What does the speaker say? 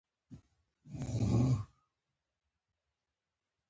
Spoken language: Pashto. او له دې سره د نننۍ لوبې غوره لوبغاړی ونومول شو.